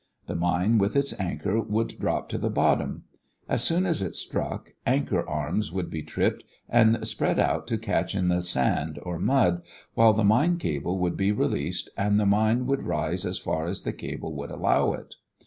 The mine with its anchor would drop to the bottom. As soon as it struck, anchor arms would be tripped and spread out to catch in the sand or mud, while the mine cable would be released and the mine would rise as far as the cable would allow it.